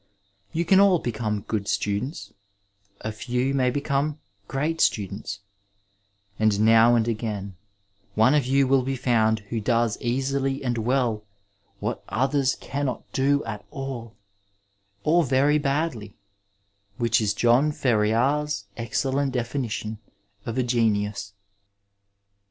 You can all become good students, a few may become great students, and now and again one of you will be found who does easily and well what others cannot do at all, or very badly, which is John Ferriar's excellent definition of a genius.